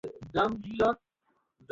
ও পড়াশোনা করতে চায় কেন?